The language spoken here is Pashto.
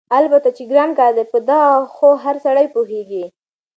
البته چې ګران کار دی په دغه خو هر سړی پوهېږي،